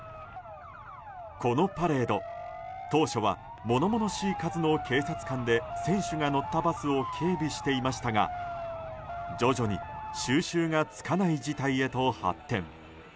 このパレード、当初は物々しい数の警察官で選手が乗ったバスを警備していましたが徐々に収拾がつかない事態へと発展。